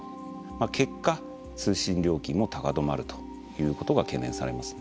結果通信料金も高止まるということが懸念されますね。